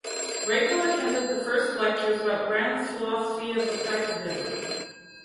Raico attended the first lectures about Rand's philosophy of Objectivism.